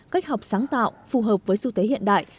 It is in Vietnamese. cách học sáng tạo phù hợp với du tế hiện đại